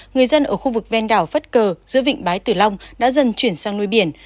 người dân ở khu vực ven đảo phất cờ giữa vịnh bái tử long đã dần chuyển sang nuôi biển